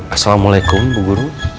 assalamualaikum bu guru